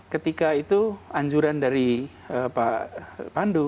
ketika itu anjuran dari pak pandu